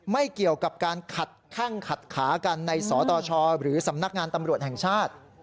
ไม่เกี่ยวกับการขัดแข้งขัดขากันในสตชหรือสำนักงานตำรวจแห่งชาติ